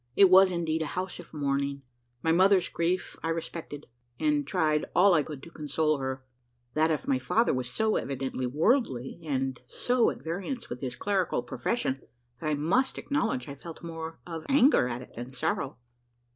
It was indeed a house of mourning. My mother's grief I respected, and tried all I could to console her; that of my father was so evidently worldly, and so at variance with his clerical profession, that I must acknowledge I felt more of anger at it than sorrow.